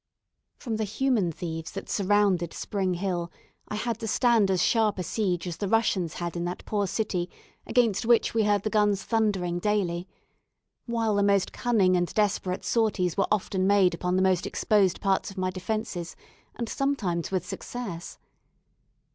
From the human thieves that surrounded Spring Hill I had to stand as sharp a siege as the Russians had in that poor city against which we heard the guns thundering daily; while the most cunning and desperate sorties were often made upon the most exposed parts of my defences, and sometimes with success.